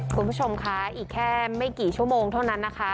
คุณผู้ชมคะอีกแค่ไม่กี่ชั่วโมงเท่านั้นนะคะ